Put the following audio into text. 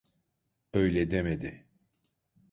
Öyle demedi.